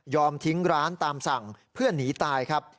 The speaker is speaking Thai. ทิ้งร้านตามสั่งเพื่อหนีตายครับ